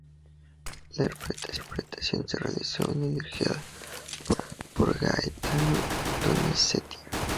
La siguiente interpretación se realizó en Bolonia dirigida por Gaetano Donizetti.